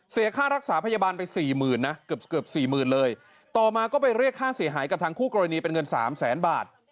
เสียค่ารักษาพยาบาลไปสี่หมื่นนะเกือบเกือบสี่หมื่นเลยต่อมาก็ไปเรียกค่าเสียหายกับทางคู่กรณีเป็นเงินสามแสนบาท